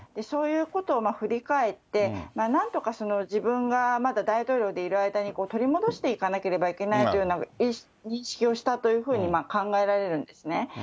そういうことを振り返って、なんとか自分がまだ大統領でいる間に取り戻していかなければいけないというような認識をしたというふうに考えられるんですね。